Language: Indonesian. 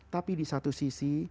tapi di satu sisi